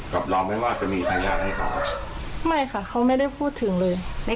กับเราไม่ว่าจะมีทายาทให้เขาไม่ค่ะเขาไม่ได้พูดถึงเลยไม่